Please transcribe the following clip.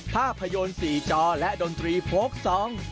ภาพยนต์สี่จอและดนตรีโฟล์กซอง